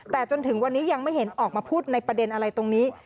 แต่จนถึงวันนี้ยังไม่เห็นออกมาพูดในประเด็นอะไรตรงนี้